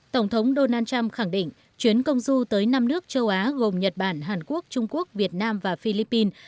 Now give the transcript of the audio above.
tổng thống donald trump khẳng định chuyến công du tới năm nước châu á gồm nhật bản hàn quốc trung quốc việt nam và philippines